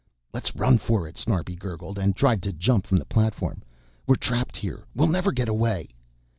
"Let's run for it," Snarbi gurgled and tried to jump from the platform. "We're trapped here, we'll never get away...."